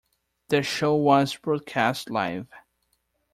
The show was broadcast live.